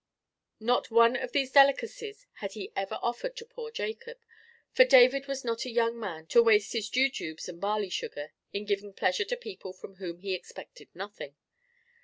Not one of these delicacies had he ever offered to poor Jacob, for David was not a young man to waste his jujubes and barley sugar in giving pleasure to people from whom he expected nothing.